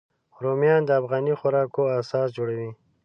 رومیان د افغاني خوراکو اساس جوړوي